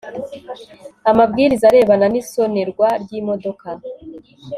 amabwiriza arebana n'isonerwa ry'imodoka